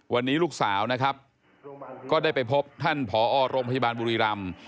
วันนี้ลูกสาวนะครับก็ได้ไปพบท่านผอโรงพยาบาลบุรีรำ